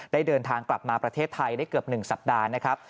เดินทางกลับมาประเทศไทยได้เกือบ๑สัปดาห์นะครับ